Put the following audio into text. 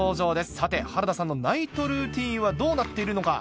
さて原田さんのナイトルーティンはどうなっているのか？